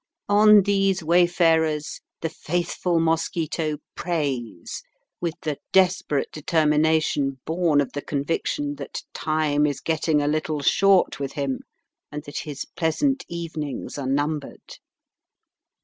On these wayfarers the faithful mosquito preys with the desperate determination born of the conviction that time is getting a little short with him, and that his pleasant evenings are numbered.